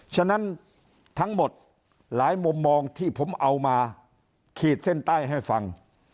ฉะนั้นทั้งหมดหลายมุมมองที่ผมเอามาขีดเส้นใต้ให้ฟัง